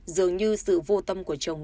dường như sự vô tâm của chồng